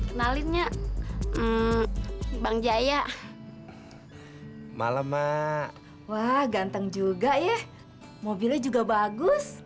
kenalinnya bang jaya malah wah ganteng juga ya mobilnya juga bagus